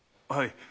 はい。